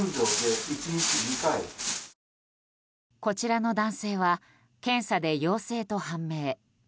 こちらの男性は検査で陽性と判明。